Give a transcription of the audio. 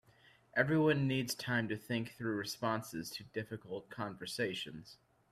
Everyone needs time to think through responses to difficult conversations.